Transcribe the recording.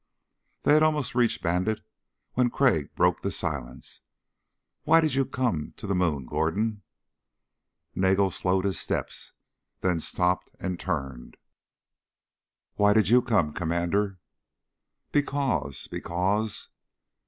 They had almost reached Bandit when Crag broke the silence. "Why did you come ... to the moon, Gordon?" Nagel slowed his steps, then stopped and turned. "Why did you come, Commander?" "Because ... because